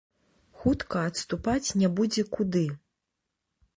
Хутка адступаць не будзе куды.